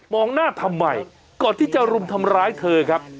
หน้าทำไมก่อนที่จะรุมทำร้ายเธอครับ